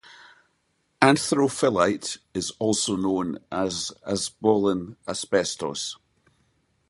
Anthophyllite is also known as azbolen asbestos.